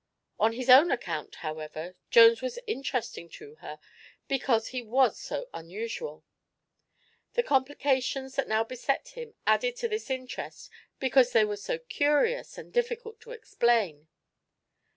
On his own account, however, Jones was interesting to her because he was so unusual. The complications that now beset him added to this interest because they were so curious and difficult to explain.